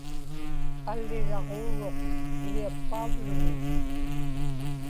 alliraġuuruq iḷiappauvluni